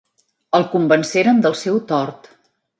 El convenceren del seu tort.